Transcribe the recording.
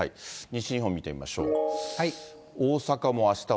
西日本見てみましょう。